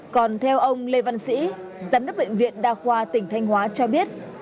còn theo ông lê văn sĩ giám đốc bệnh viện đa khoa tỉnh thanh hóa cho biết